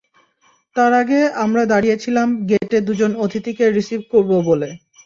তার আগে আমরা দাঁড়িয়ে ছিলাম গেটে দুজন অতিথিকে রিসিভ করব বলে।